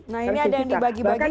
nah ini ada yang dibagi bagi